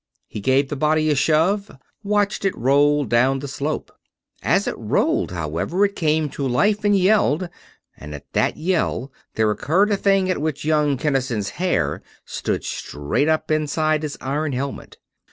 He gave the body a shove, watched it roll down the slope. As it rolled, however, it came to life and yelled; and at that yell there occurred a thing at which young Kinnison's hair stood straight up inside his iron helmet.